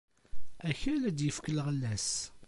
Akal ad d-ifk lɣella-s.